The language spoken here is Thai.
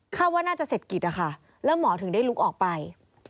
ว่าน่าจะเสร็จกิจนะคะแล้วหมอถึงได้ลุกออกไป